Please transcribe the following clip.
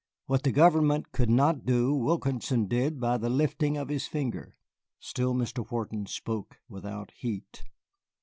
What the government could not do Wilkinson did by the lifting of his finger." Still Mr. Wharton spoke without heat.